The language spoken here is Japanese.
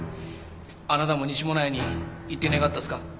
あなたも西馬音内に行ってねかったっすか？